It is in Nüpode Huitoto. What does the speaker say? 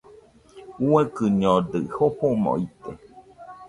Uaikɨñodɨ jofomo ite.